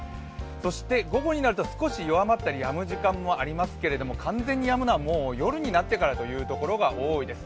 そして午後になると少し弱まったりやむ時間もありますけど完全にやむのは夜になってからというところが多いです。